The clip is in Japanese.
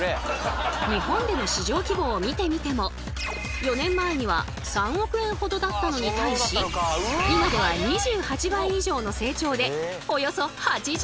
日本での市場規模を見てみても４年前には３億円ほどだったのに対し今では２８倍以上の成長でおよそ８５億円！